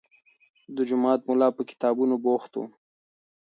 د جومات ملا په کتابونو بوخت و.